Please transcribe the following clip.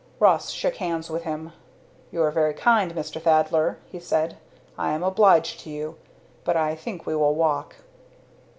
Ross shook hands with him. "You are very kind, Mr. Thaddler," he said. "I am obliged to you. But I think we will walk."